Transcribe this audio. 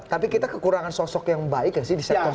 tapi kita kekurangan sosok yang baik ya sih di sektor sektor itu